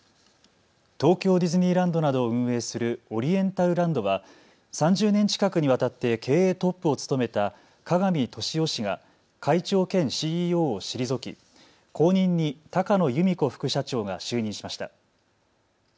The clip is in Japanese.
東京ディズニーランドなどを運営するオリエンタルランドは３０年近くにわたって経営トップを務めた加賀見俊夫氏が会長兼ＣＥＯを退き後任に高野由美子副社長が就任しました。